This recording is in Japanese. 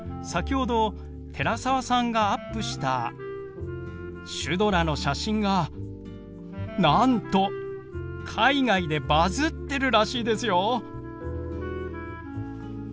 先ほど寺澤さんがアップしたシュドラの写真がなんと海外でバズってるらしいですよ。